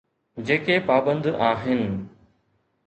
جيڪي پابند آهن.